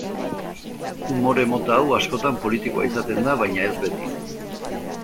Umore mota hau askotan politikoa izaten da baina ez beti.